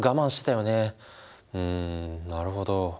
うんなるほど。